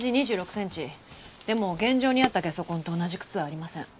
でも現場にあったゲソ痕と同じ靴はありません。